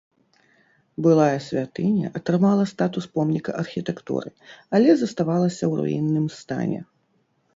Былая святыня атрымала статус помніка архітэктуры, але заставалася ў руінным стане.